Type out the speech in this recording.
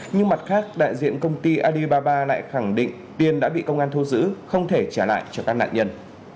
nhưng mặt khác đại diện công ty alibaba lại khẳng định tiền đã bị công an thu giữ không thể trả lại cho các nạn nhân